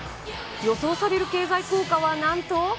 予想される経済効果はなんと。